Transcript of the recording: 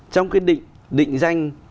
trong cái định danh